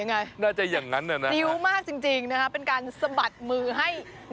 น่าจะอย่างนั้นน่ะนะ